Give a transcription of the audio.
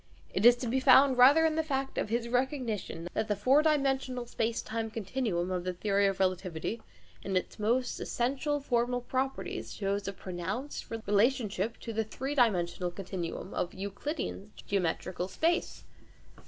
It is to be found rather in the fact of his recognition that the four dimensional space time continuum of the theory of relativity, in its most essential formal properties, shows a pronounced relationship to the three dimensional continuum of Euclidean geometrical space.